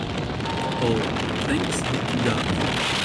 All: Thanks be to God!